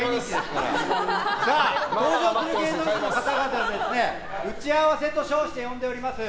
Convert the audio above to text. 登場する芸能人の方々は打ち合わせと称して呼んでおります。